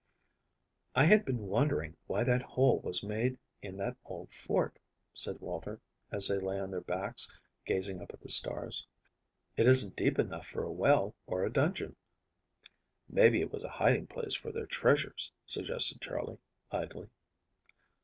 "I have been wondering why that hole was made in that old fort," said Walter, as they lay on their backs gazing up at the stars. "It isn't deep enough for a well or a dungeon." "Maybe it was a hiding place for their treasures," suggested Charley, idly.